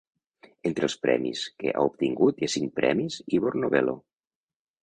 Entre els premis que ha obtingut hi ha cinc premis Ivor Novello.